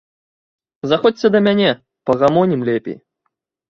Заходзьце да мяне, пагамонім лепей.